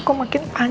aku mau mencoba